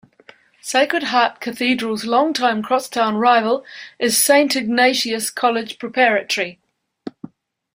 Sacred Heart Cathedral's long time cross-town rival is Saint Ignatius College Preparatory.